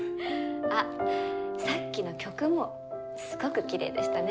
あっさっきの曲もすごくきれいでしたね。